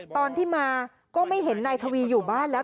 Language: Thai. ตอนที่มาก็ไม่เห็นนายทวีอยู่บ้านแล้ว